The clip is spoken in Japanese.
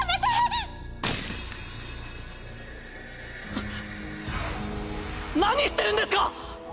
あっ何してるんですか！